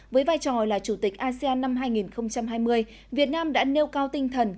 với vai trò là chủ tịch asean năm hai nghìn hai mươi việt nam đã nêu cao tinh thần